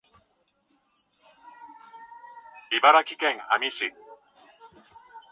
茨城県阿見町